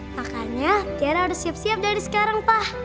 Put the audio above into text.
makanya tiara udah siap siap dari sekarang pak